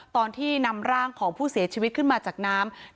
ตอนที่นำร่างของผู้เสียชีวิตขึ้นมาจากน้ำ